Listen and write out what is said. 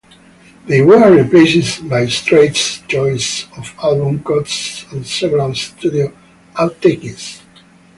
They were replaced by Strait's choice of album cuts and several studio outtakes.